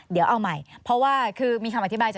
เดี๋ยวเอาใหม่เพราะว่าคือมีคำอธิบายจาก